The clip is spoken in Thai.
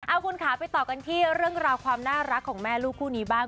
เอาคุณค่ะไปต่อกันที่เรื่องราวความน่ารักของแม่ลูกคู่นี้บ้าง